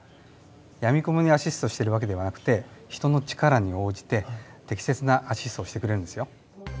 やみくもにアシストしてる訳ではなくて人の力に応じて適切なアシストをしてくれるんですよ。